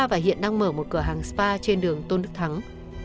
và hiện đang mở một cửa hàng spa trên đường tôn đức thắng